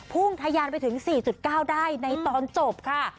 ทะยานไปถึง๔๙ได้ในตอนจบค่ะ